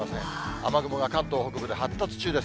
雨雲が関東北部で発達中です。